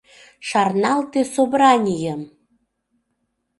Шарналте собранийым!